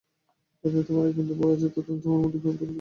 যতদিন তোমার একবিন্দু ভয় আছে, ততদিন তোমার মধ্যে প্রেম থাকিতে পারে না।